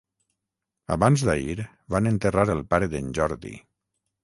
Abans d'ahir van enterrar el pare d'en Jordi